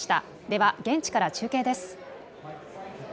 では現地から中継です。